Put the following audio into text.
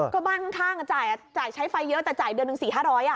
ก็บ้านข้างจ่ายใช้ไฟเยอะแต่จ่ายเดือนหนึ่ง๔๕๐๐บาท